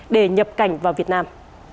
để nhập cảnh vào việt nam